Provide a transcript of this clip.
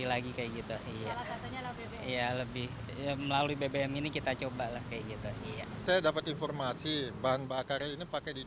lagi kayak gitu iya lebih melalui bbm ini kita cobalah kayak gitu iya saya dapat informasi bahan